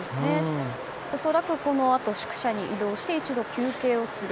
恐らくこのあと宿舎に移動して一度休憩をする。